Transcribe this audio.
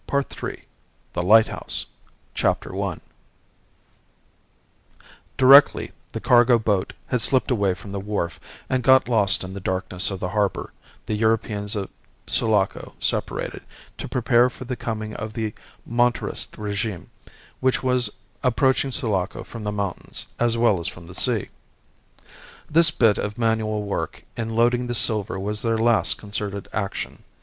PART THIRD THE LIGHTHOUSE CHAPTER ONE Directly the cargo boat had slipped away from the wharf and got lost in the darkness of the harbour the Europeans of Sulaco separated, to prepare for the coming of the Monterist regime, which was approaching Sulaco from the mountains, as well as from the sea. This bit of manual work in loading the silver was their last concerted action.